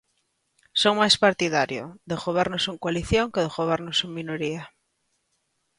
Son máis partidario de gobernos en coalición que de gobernos en minoría.